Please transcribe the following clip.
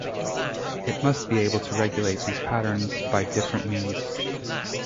It must be able to regulate these patterns by different means.